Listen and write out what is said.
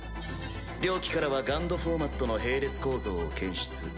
両機からはＧＵＮＤフォーマットの並列構造を検出。